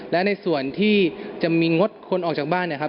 และในส่วนที่จะมีงดคนออกจากบ้านนะครับ